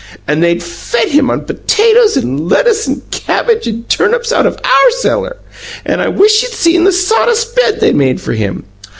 "And they'd fed him on potatoes and lettuce and cabbage and turnips out of OUR cellar! And I wish you'd see the sawdust bed they made for him!